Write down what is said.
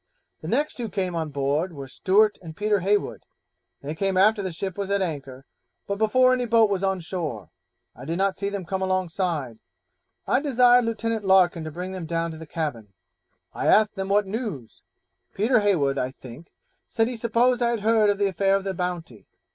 The next who came on board were Stewart and Peter Heywood; they came after the ship was at anchor, but before any boat was on shore. I did not see them come alongside. I desired Lieutenant Larkin to bring them down to the cabin. I asked them what news; Peter Heywood, I think, said he supposed I had heard of the affair of the Bounty.